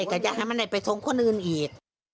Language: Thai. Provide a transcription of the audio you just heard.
ฅ็กกก็ค